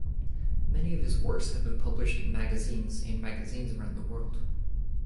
Many of his works have been published in magazines and magazines around the world.